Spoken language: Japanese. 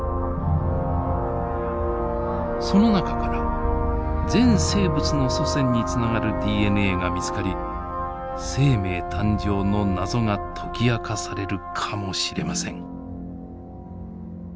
その中から全生物の祖先につながるＤＮＡが見つかり生命誕生の謎が解き明かされるかもしれません。